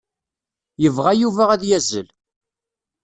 Yebɣa Yuba ad yazzel.